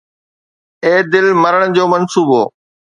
اي دل، مرڻ جو منصوبو